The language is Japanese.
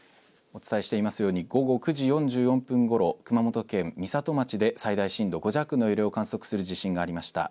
お伝えしていますように、午後９時４４分ごろ、熊本県美里町で最大震度５弱の揺れを観測する地震がありました。